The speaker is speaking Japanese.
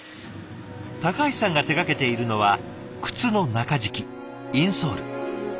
橋さんが手がけているのは靴の中敷きインソール。